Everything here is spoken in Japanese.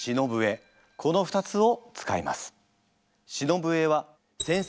この２つを使います。